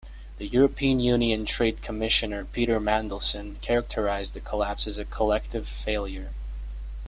The European Union Trade Commissioner Peter Mandelson characterized the collapse as a "collective failure".